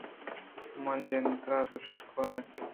ما جنتر ءَ دْرشگ ءَ اِت ایں۔